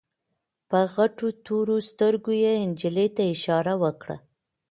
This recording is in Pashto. په غټو تورو سترګو يې نجلۍ ته اشاره وکړه.